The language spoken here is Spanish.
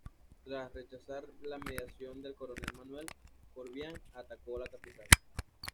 Tras la rechazar la mediación del coronel Manuel Corvalán, atacó la capital.